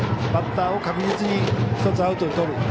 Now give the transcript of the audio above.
バッターを確実にアウトにとる。